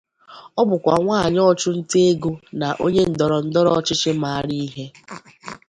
Ọ bụkwa nwaanyị ọchụnta ego na onye ndọrọ ndọrọ ọchịchị maara ihe.